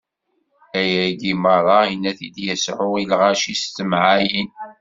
Ayagi meṛṛa, inna-t-id Yasuɛ i lɣaci s temɛayin.